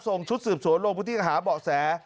ส่งชุดสืบสวนลงพื้นที่หาเบาะแส